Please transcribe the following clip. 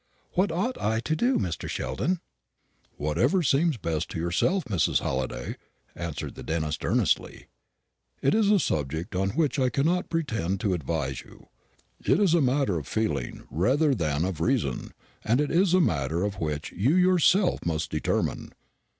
What ought I to do, Mr. Sheldon?" "Whatever seems best to yourself, Mrs. Halliday," answered the dentist earnestly. "It is a subject upon, which I cannot pretend to advise you. It is a matter of feeling rather than of reason, and it is a matter which you yourself must determine.